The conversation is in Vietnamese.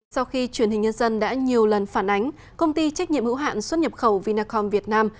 sau khi truyền hình nhân dân đã nhiều lần phản ánh công ty trách nhiệm hữu hạn xuất nhập khẩu vinacom việt nam